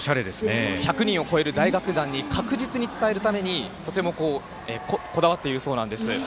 １００人を超える大楽団に確実に伝えるために、とてもこだわっているそうなんです。